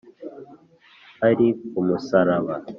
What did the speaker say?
Ari ku musaraba